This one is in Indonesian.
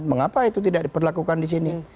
mengapa itu tidak diperlakukan di sini